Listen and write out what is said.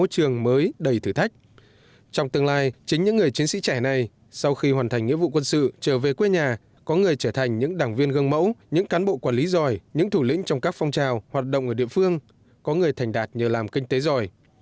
các trẻ này sau khi hoàn thành nghĩa vụ quân sự trở về quê nhà có người trở thành những đảng viên gương mẫu những cán bộ quản lý giỏi những thủ lĩnh trong các phong trào hoạt động ở địa phương có người thành đạt nhờ làm kinh tế giỏi